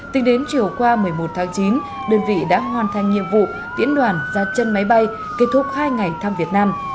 tính đến chiều qua một mươi một tháng chín đơn vị đã hoàn thành nhiệm vụ tiễn đoàn ra chân máy bay kết thúc hai ngày thăm việt nam